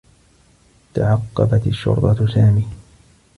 تعقّبت الشّرطة سامي.